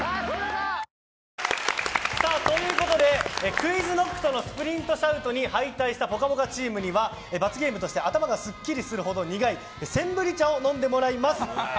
ＱｕｉｚＫｎｏｃｋとのスプリントシャウトに敗退した「ぽかぽか」チームには罰ゲームとして頭がすっきりするほど苦いセンブリ茶を飲んでもらいます。